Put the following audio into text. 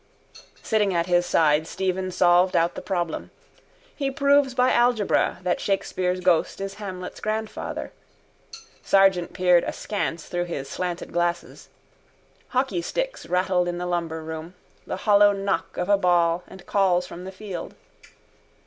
Sitting at his side Stephen solved out the problem. He proves by algebra that Shakespeare's ghost is Hamlet's grandfather. Sargent peered askance through his slanted glasses. Hockeysticks rattled in the lumberroom: the hollow knock of a ball and calls from the field.